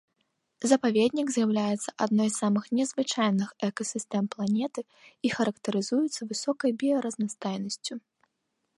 Запаведнік з'яўляецца адной з самых незвычайных экасістэм планеты і характарызуецца высокай біяразнастайнасцю.